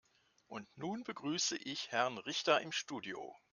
Und nun begrüße ich Herrn Richter im Studio.